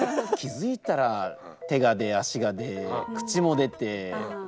気付いたら手が出足が出口も出て。